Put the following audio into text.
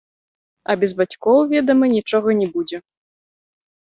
А без бацькоў, ведама, нічога не будзе.